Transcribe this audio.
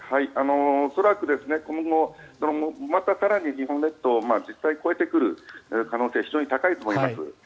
恐らく今後また更に日本列島を実際、越えてくる可能性は非常に高いと思います。